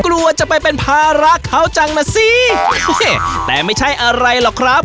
กลัวจะไปเป็นภาระเขาจังนะสิแต่ไม่ใช่อะไรหรอกครับ